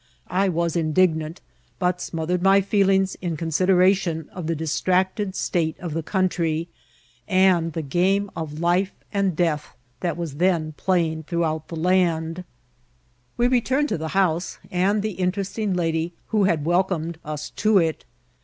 I was indignant, but nnothered my feelings in consideration of the distracted state of the country, and the game of life and death that v^as then playing throughout the land. We returned to the house and the interesting lady who had welcomed us to it.